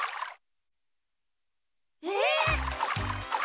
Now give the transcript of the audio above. えっ！？